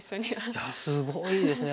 いやすごいですね。